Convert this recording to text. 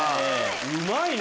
うまいね！